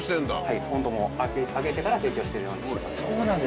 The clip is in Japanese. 温度も上げてから提供してるようにしてます。